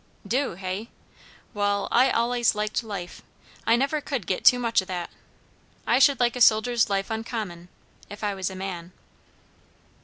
"Du, hey? Wall, I allays liked life. I never could git too much o' that. I should like a soldier's life uncommon, if I was a man."